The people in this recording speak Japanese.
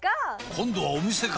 今度はお店か！